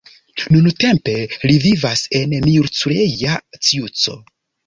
Nuntempe li vivas en Miercurea Ciuc.